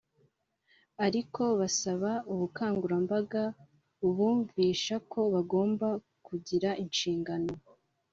ariko basaba ubukangurambaga bubumvisha ko bagomba kugira inshingano